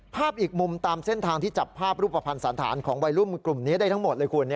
อีกมุมตามเส้นทางที่จับภาพรูปภัณฑ์สันธารของวัยรุ่นกลุ่มนี้ได้ทั้งหมดเลยคุณ